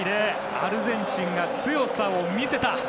アルゼンチンが強さを見せた。